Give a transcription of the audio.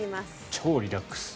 超リラックス。